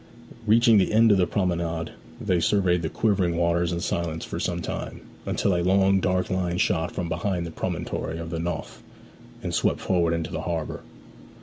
Reaching the end of the promenade they surveyed the quivering waters in silence for some time, until a long dark line shot from behind the promontory of the Nothe, and swept forward into the harbour.